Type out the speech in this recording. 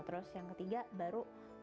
terus yang ketiga baru